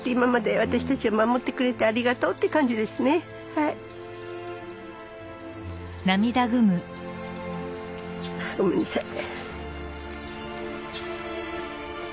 はい。はごめんなさい。